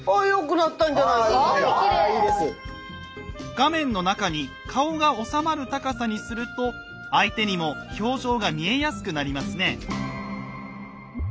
画面の中に顔が収まる高さにすると相手にも表情が見えやすくなりますね。